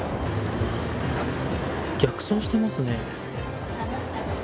逆走していますね。